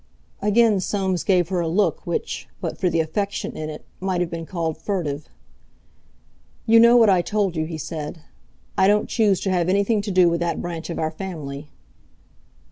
Again Soames gave her a look which, but for the affection in it, might have been called furtive. "You know what I told you," he said. "I don't choose to have anything to do with that branch of our family."